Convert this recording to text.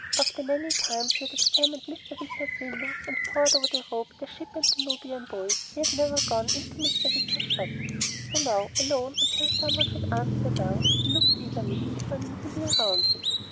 Of the many times he had examined Mr. Wicker's window and pored over the rope, the ship and the Nubian boy, he had never gone into Mr. Wicker's shop. So now, alone until someone should answer the bell, he looked eagerly, if uneasily, around him.